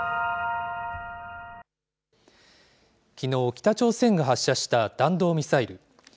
きのう、北朝鮮が発射した弾道ミサイル。